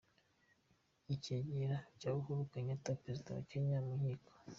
Icyegera cya Uhuru Kenyatta Perezida wa Kenya mu Nkiko.